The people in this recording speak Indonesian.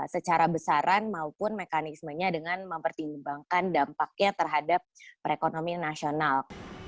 secara besaran maupun mekanismenya dengan mempertimbangkan dampaknya terhadap perekonomian nasional